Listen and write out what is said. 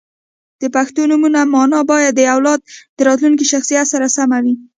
• د پښتو نومونو مانا باید د اولاد د راتلونکي شخصیت سره سمه وي.